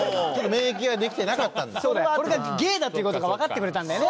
これが芸だっていう事がわかってくれたんだよね。